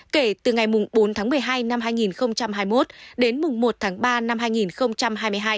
kể từ ngày bốn tháng một mươi hai năm hai nghìn hai mươi một đến mùng một tháng ba năm hai nghìn hai mươi hai